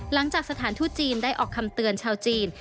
หลังจากสถานทู่จีนได้ออกคำเตือนชาวจีน